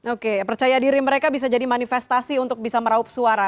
oke percaya diri mereka bisa jadi manifestasi untuk bisa meraup suara